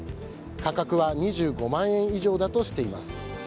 価格は２５万円以上だとしています。